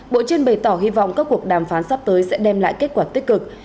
bộ trên bày tỏ hy vọng các cuộc đàm phán sắp tới sẽ đem lại kết quả tích cực